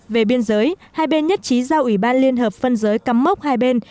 về biên giới hai bên nhất trí giao ủy ban liên hợp phân giới cắm mốc hai bên